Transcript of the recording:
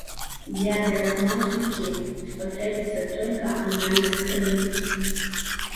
Для дыягностыкі спатрэбіцца толькі аналіз крыві.